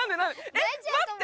えっ待って。